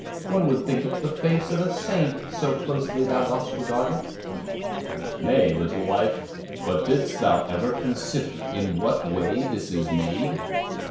One would think it the face of a saint, so closely thou dost regard it." "Nay, little wife; but didst thou ever consider in what way this is made?"